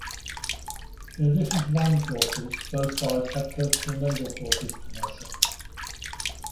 In addition to land forces, both sides had coastal naval forces to marshal.